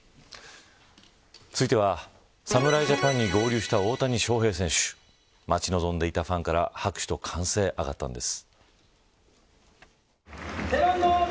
続いては、侍ジャパンに合流した大谷翔平選手待ち望んでいたファンから拍手と歓声、上がったんです。